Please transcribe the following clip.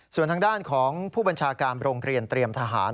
ส่วนทางด้านของผู้บัญชาการโรงเรียนเตรียมทหาร